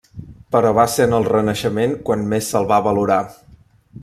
Però va ser en el Renaixement quan més se'l va valorar.